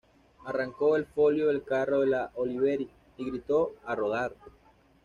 Arrancó el folio del carro de la Olivetti y gritó: ‘¡A rodar!’.